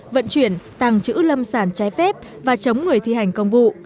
vận chuyển tăng trữ lâm sản trái phép và chống người thi hành công vụ